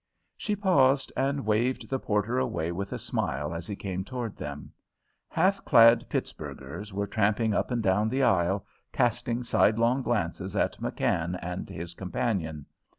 She paused and waved the porter away with a smile as he came toward them. Half clad Pittsburghers were tramping up and down the aisle, casting sidelong glances at McKann and his companion.